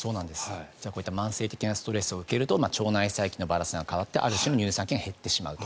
こういった慢性的なストレスを受けると腸内細菌のバランスが変わってある種の乳酸菌が減ってしまうと。